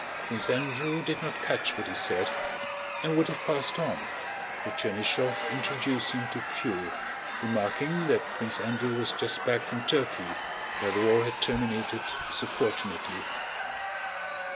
Prince Andrew did not catch what he said and would have passed on, but Chernýshev introduced him to Pfuel, remarking that Prince Andrew was just back from Turkey where the war had terminated so fortunately.